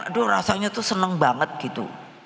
aduh rasanya tuh seneng banget gitu